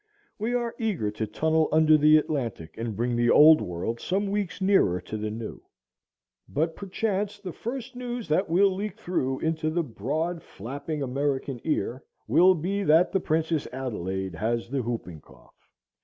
We are eager to tunnel under the Atlantic and bring the old world some weeks nearer to the new; but perchance the first news that will leak through into the broad, flapping American ear will be that the Princess Adelaide has the whooping cough.